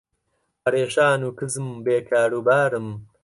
پەرێشان و کزم بێ کاروبارم